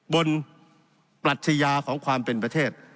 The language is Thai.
ปรัชญาของความเป็นประเทศ